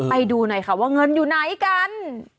ไปดูหน่อยค่ะว่าเงินอยู่ไหนกัน